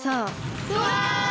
うわ！